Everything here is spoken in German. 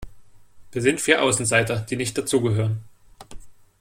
Wir sind vier Außenseiter, die nicht dazugehören.